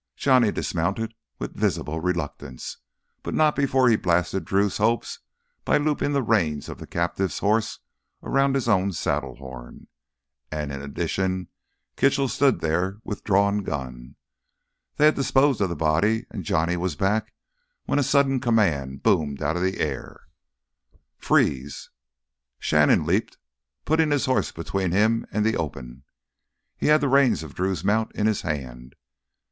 Johnny dismounted with visible reluctance, but not before he blasted Drew's hopes by looping the reins of the captive's horse around his own saddle horn. And in addition Kitchell stood there with drawn gun. They had disposed of the body and Johnny was back when a sudden command boomed out of the air. "Freeze!" Shannon leaped, putting his horse between him and the open. He had the reins of Drew's mount in his hand.